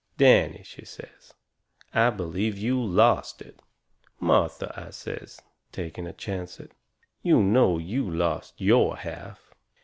"Danny," she says, "I believe you LOST it." "Martha," I says, taking a chancet, "you know you lost YOUR half!"